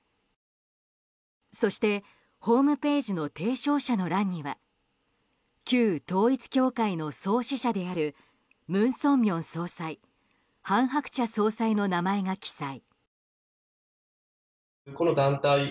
そしてホームページの提唱者の欄には旧統一教会の創始者である文鮮明総裁、韓鶴子総裁の名前が記載。